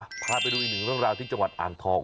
พาไปดูอีกหนึ่งเรื่องราวที่จังหวัดอ่างทอง